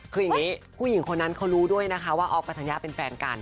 คุยหญิงคนนั้นเขารู้ด้วยนะคะว่าออฟกับธัญญาเป็นแฟนกัน